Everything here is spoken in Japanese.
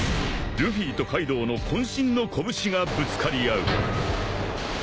［ルフィとカイドウの渾身の拳がぶつかり合う］